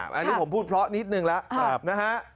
อันนี้ผมพูดเพราะนิดนึงแล้วนะฮะ